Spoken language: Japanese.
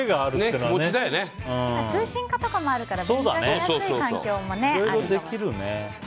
今は通信課とかもあるから学びやすい環境もありますね。